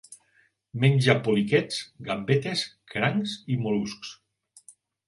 Menja poliquets, gambetes, crancs i mol·luscs.